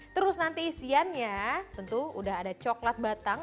terus nanti isiannya tentu udah ada coklat batang